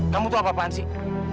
kamu tuh apa apaan sih